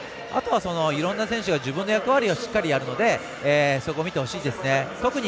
あとはいろんな選手が自分の役割をしっかりやるのでそこを見てほしいですね。